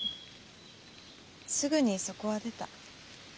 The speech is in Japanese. すぐにそこは出た。